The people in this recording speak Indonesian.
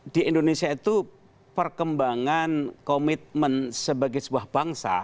di indonesia itu perkembangan komitmen sebagai sebuah bangsa